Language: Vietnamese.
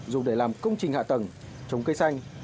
dùng để làm công trình hạ tầng trồng cây xanh